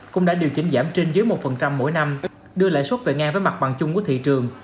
cũng đã điều chỉnh giảm trên dưới một mỗi năm đưa lãi suất về ngang với mặt bằng chung của thị trường